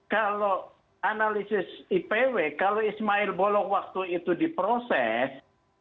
kalau analisis ipw kalau ismail bolong waktu itu diproses